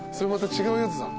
違うやつ。